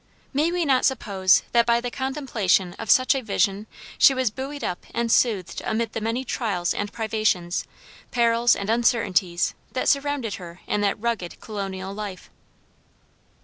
May we not suppose that by the contemplation of such a vision she was buoyed up and soothed amid the many trials and privations, perils and uncertainties that surrounded her in that rugged colonial life.